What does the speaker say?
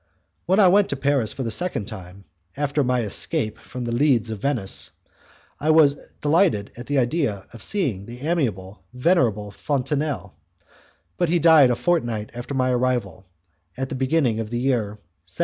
When I went to Paris for the second time, after my escape from The Leads of Venice, I was delighted at the idea of seeing again the amiable, venerable Fontenelle, but he died a fortnight after my arrival, at the beginning of the year 1757.